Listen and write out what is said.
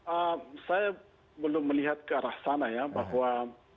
eee saya belum melihat ke arah sana ya bahwa